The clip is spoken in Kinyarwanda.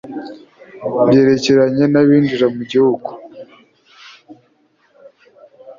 byerekeranye n abinjira mu gihugu